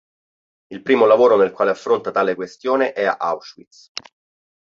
Il primo lavoro nel quale affronta tale questione è "Auschwitz.